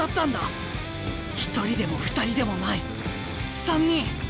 １人でも２人でもない３人。